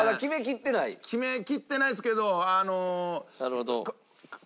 決めきってないですけど。